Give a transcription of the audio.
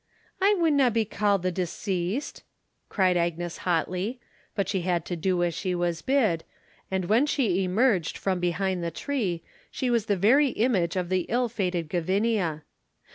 "I winna be called the deceased," cried Agnes hotly, but she had to do as she was bid, and when she emerged, from behind the tree she was the very image of the ill fated Gavinia.